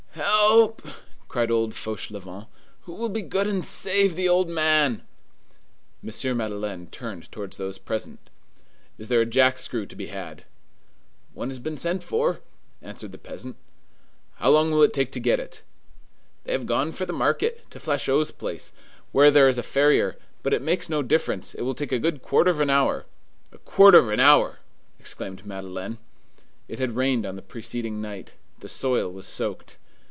"Help!" cried old Fauchelevent. "Who will be good and save the old man?" M. Madeleine turned towards those present:— "Is there a jack screw to be had?" "One has been sent for," answered the peasant. "How long will it take to get it?" "They have gone for the nearest, to Flachot's place, where there is a farrier; but it makes no difference; it will take a good quarter of an hour." "A quarter of an hour!" exclaimed Madeleine. It had rained on the preceding night; the soil was soaked.